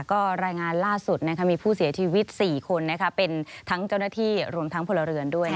ก็รายงานล่าสุดมีผู้เสียชีวิต๔คนเป็นทั้งเจ้าหน้าที่รวมทั้งพลเรือนด้วย